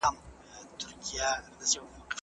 کمپيوټر پوهنه تل د نويو موندنو په حال کي ده.